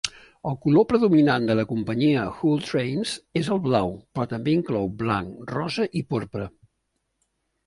El color predominant de la companyia Hull Trains es el blau, però també inclou blanc, rosa i porpra.